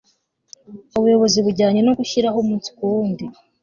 ubuyobozi bujyanye no gushyiraho, umunsi ku wundi